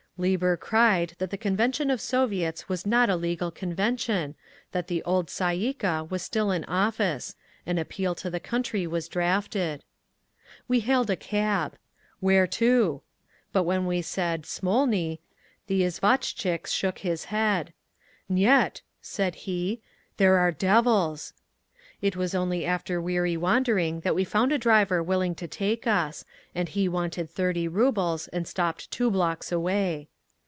Lieber cried that the convention of Soviets was not a legal convention, that the old Tsay ee kah was still in office…. An appeal to the country was drafted. We hailed a cab. "Where to?" But when we said "Smolny," the izvoshtchik shook his head. "Niet!" said he, "there are devils…." It was only after weary wandering that we found a driver willing to take us—and he wanted thirty rubles, and stopped two blocks away.